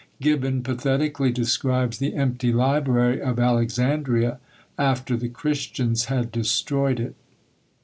Gibbon pathetically describes the empty library of Alexandria, after the Christians had destroyed it.